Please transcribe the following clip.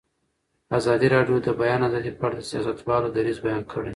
ازادي راډیو د د بیان آزادي په اړه د سیاستوالو دریځ بیان کړی.